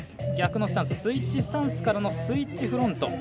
逆のスタンススイッチスタンスからのスイッチフロント。